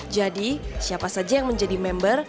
jadi siapa saja yang menjadi member